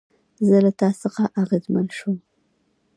زه له تا څخه اغېزمن شوم